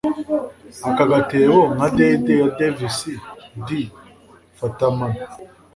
aka gatebo nka dede ya davis d, fata amano